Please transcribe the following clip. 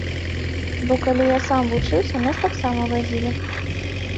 Бо калі я сам вучыўся, нас таксама вазілі.